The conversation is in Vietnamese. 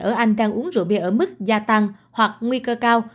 ở anh đang uống rượu bia ở mức gia tăng hoặc nguy cơ cao